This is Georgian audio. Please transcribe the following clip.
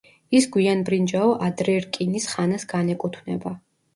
ის გვიანბრინჯაო-ადრერკინის ხანას განეკუთვნება.